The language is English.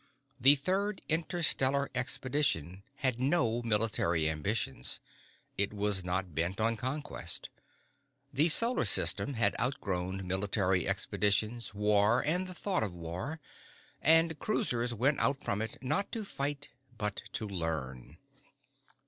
The Third Interstellar Expedition had no military ambitions. It was not bent on conquest. The solar system had outgrown military expeditions, war, and the thought of war, and cruisers went out from it not to fight but to learn.